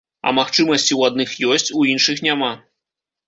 А магчымасці ў адных ёсць, у іншых няма.